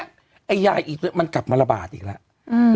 ไอ้ยาอีกมันกลับมาระบาดอีกแล้ว